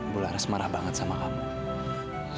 bularas marah banget sama kamu